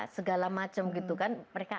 segala macam gitu kan mereka